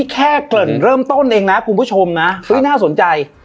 แค่เกริ่นเริ่มต้นเองนะคุณผู้ชมนะน่าสนใจ